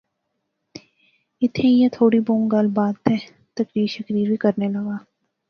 ایتھیں ایہہ تھوڑی بہوں گل بات تہ تقریر شقریر وی کرنے لاغا